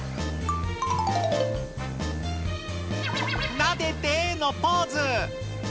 なでてのポーズ。